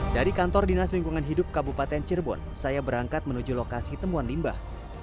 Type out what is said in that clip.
dari kantor dinas lingkungan hidup kabupaten cirebon saya berangkat menuju lokasi temuan limbah